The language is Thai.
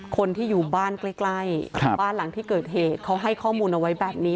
คนที่อยู่บ้านใกล้บ้านหลังที่เกิดเหตุเขาให้ข้อมูลเอาไว้แบบนี้